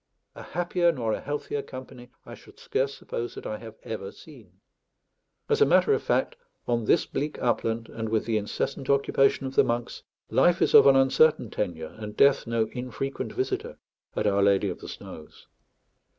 A happier nor a healthier company I should scarce suppose that I have ever seen. As a matter of fact, on this bleak upland, and with the incessant occupation of the monks, life is of an uncertain tenure, and death no infrequent visitor, at Our Lady of the Snows.